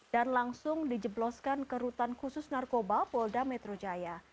dan langsung dijebloskan ke rutan khusus narkoba polda metro jaya